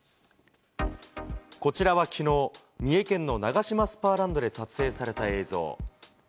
こちらはきのう、三重県のナガシマスパーランドで撮影された映像。